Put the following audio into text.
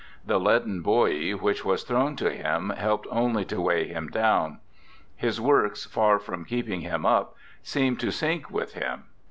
The leaden buoy which was thrown to him helped only to weigh him down; his works, far from keeping him up, seemed to sink with him.